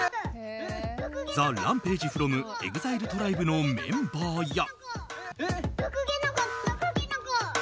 ＴＨＥＲＡＭＰＡＧＥｆｒｏｍＥＸＩＬＥＴＲＩＢＥのメンバーや。